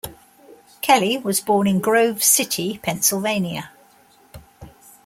Kelly was born in Grove City, Pennsylvania.